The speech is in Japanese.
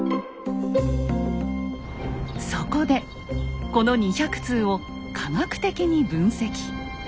そこでこの２００通を科学的に分析。